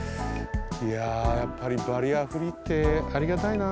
いややっぱりバリアフリーってありがたいな。